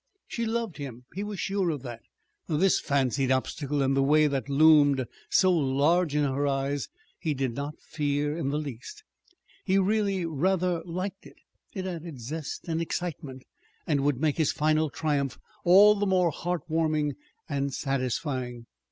She loved him; he was sure of that. This fancied obstacle in the way that loomed so large in her eyes, he did not fear in the least. He really rather liked it. It added zest and excitement, and would make his final triumph all the more heart warming and satisfying.